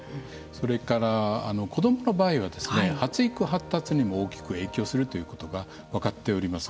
それから子どもの場合なんかは発育・発達にも大きく影響するということが分かっております。